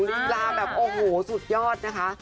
ลีลาแบบโอ้โหสุดยอดนะคะ